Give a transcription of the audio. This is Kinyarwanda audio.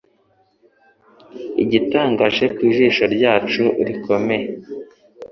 Igitangaje ku jisho ryacu rikomeye,